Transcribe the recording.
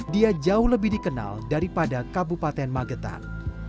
dia jauh lebih dikenal daripada kabupaten magetan